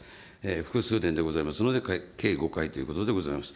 複数電でございますので、計５回ということでございます。